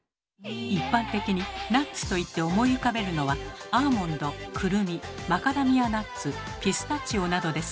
一般的にナッツといって思い浮かべるのはアーモンドくるみマカダミアナッツピスタチオなどです